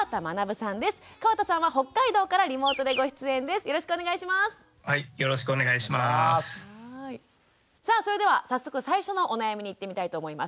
さあそれでは早速最初のお悩みにいってみたいと思います。